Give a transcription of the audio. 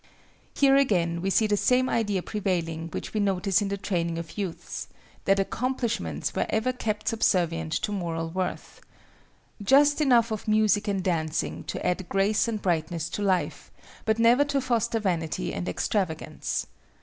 Here again we see the same idea prevailing which we notice in the training of youths—that accomplishments were ever kept subservient to moral worth. Just enough of music and dancing to add grace and brightness to life, but never to foster vanity and extravagance.